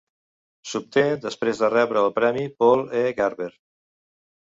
S'obté després de rebre el premi Paul E. Garber.